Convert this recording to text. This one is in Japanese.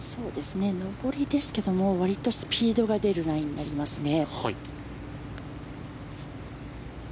上りですけどもわりとスピードが出るラインになりますね。